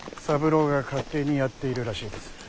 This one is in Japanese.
三郎が勝手にやっているらしいです。